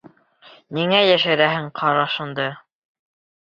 Ниңә йәшерәһең ҡарашыңды?